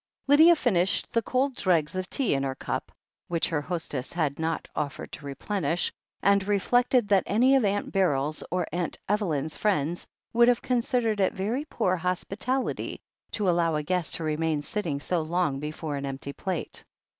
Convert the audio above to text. Lydia finished the cold dregs of tea in her cup— which her hostess had not offered to replenish — ^and reflected that any of Aunt Beryl's or Aunt Evelyn's friends would have considered it very poor hospitality to allow a guest to remain sitting so long before an empty plate.